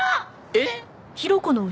えっ？